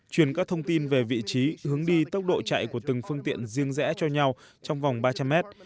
truyền các thông tin về vị trí hướng đi tốc độ chạy của từng phương tiện riêng rẽ cho nhau trong vòng ba trăm linh mét